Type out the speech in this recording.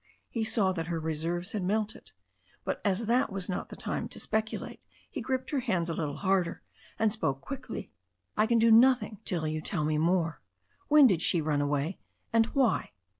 He saw that her reserves had melted. But, as that was not the time to speculate, he gripped her hands a little harder and spoke quickly. "I can do nothing till you tell me more. When did she run away, and why?"